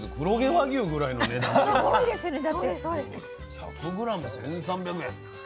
１００ｇ１，３００円って。